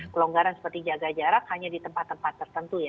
kelonggaran seperti jaga jarak hanya di tempat tempat tertentu ya